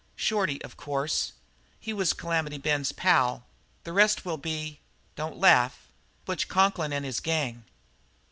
"Shorty, of course. He was Calamity Ben's pal. The rest will be don't laugh Butch Conklin and his gang."